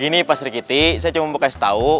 gini pak sri kiti saya cuma mau kasih tau